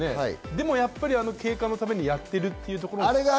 でもやっぱり景観のためにやっているということも。